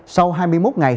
sau hai mươi một ngày